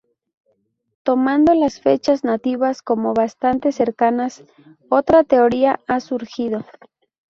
Tomando las fechas nativas como bastante cercanas, otra teoría ha surgido.